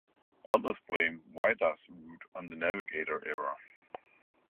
Others blame "Whydah's" route on navigator error.